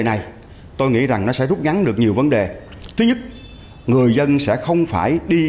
này tôi nghĩ rằng nó sẽ rút ngắn được nhiều vấn đề thứ nhất người dân sẽ không phải đi